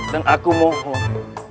dan aku mohon